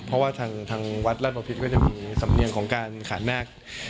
เพราะว่าทางทางวัดลาดบ่พิษก็จะมีสำเรียงของการขาดหน้า